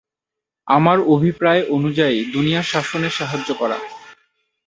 আমার অভিপ্রায় অনুযায়ী দুনিয়া শাসনে সাহায্য করা!